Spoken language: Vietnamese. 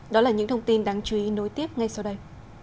đó là những thông tin đáng chú ý nối tiếp ngay sau đây